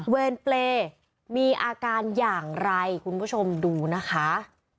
เวรเปรย์มีอาการอย่างไรคุณผู้ชมดูนะคะ